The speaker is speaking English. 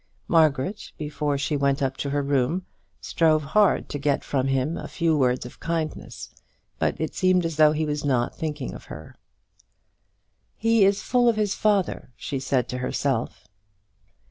Margaret, before she went up to her room, strove hard to get from him a few words of kindness, but it seemed as though he was not thinking of her. "He is full of his father," she said to herself.